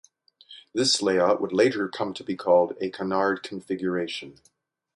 This layout would later come to be called a "canard configuration".